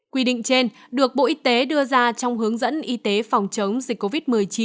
quy định trên được bộ y tế đưa ra trong hướng dẫn y tế phòng chống dịch covid một mươi chín